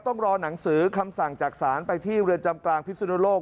ต้องรอหนังสือคำสั่งจากศาลไปที่เรือนจำกลางพิสุนโลก